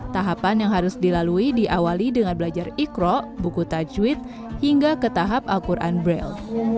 tahapan yang harus dilalui diawali dengan belajar ikro buku tajwid hingga ke tahap al quran braille